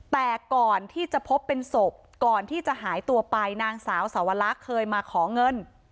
แต่ก่อนที่จะพบเป็นศพก่อนที่จะหายตัวไปนางสาวสวรรคเคยมาขอเงิน